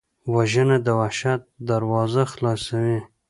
وژنه د وحشت دروازه خلاصوي